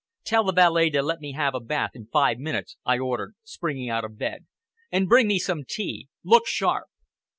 "Tell the valet to let me have a bath in five minutes," I ordered, springing out of bed, "and bring me some tea. Look sharp!"